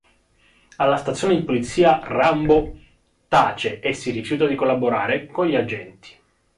Alla stazione di polizia, Rambo tace e si rifiuta di collaborare con gli agenti.